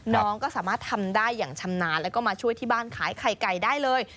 น้องก็สามารถทำได้อย่างชำนาญแล้วก็มาช่วยที่บ้านขายไข่ไก่ได้เลย